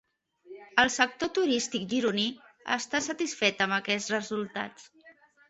El sector turístic gironí està satisfet amb aquests resultats.